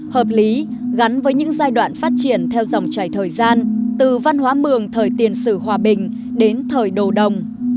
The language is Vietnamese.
hợp lý gắn với những giai đoạn phát triển theo dòng chảy thời gian từ văn hóa mường thời tiền sử hòa bình đến thời đồ đồng